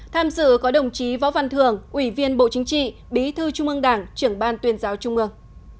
tham dự có đồng chí võ văn thường ủy viên bộ chính trị bí thư trung ương đảng trưởng ban tuyên giáo trung ương